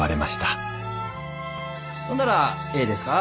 そんならええですか？